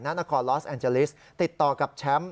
นครลอสแอนเจลิสติดต่อกับแชมป์